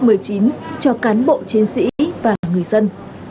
bệnh viện một mươi chín cho cán bộ chiến sĩ và người dân